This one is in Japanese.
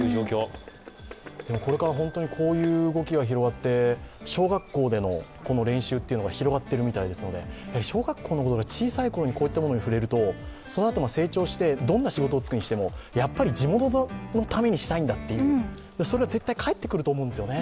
これからこういう動きが広がって、小学校での練習というのが広がっているみたいですので、小学校、小さいころにこういったものに触れると、そのあと成長してどんな仕事に就くにしても地元のためにしたいんだと、それは絶対返ってくると思うんですよね。